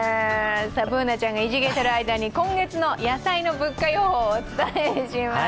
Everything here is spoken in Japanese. Ｂｏｏｎａちゃんがいじけてる間に今月の野菜の物価予報をお伝えします。